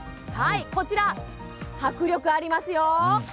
こちら、迫力ありますよ。